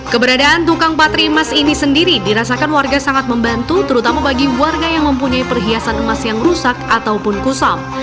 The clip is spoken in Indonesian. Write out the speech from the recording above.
keberadaan tukang patri emas ini sendiri dirasakan warga sangat membantu terutama bagi warga yang mempunyai perhiasan emas yang rusak ataupun kusam